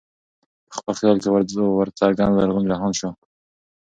په خپل خیال کي ورڅرګند زرغون جهان سو